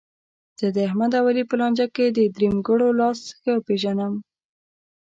زه داحمد او علي په لانجه کې د درېیمګړو لاس ښه پېژنم.